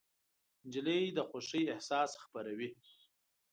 نجلۍ د خوښۍ احساس خپروي.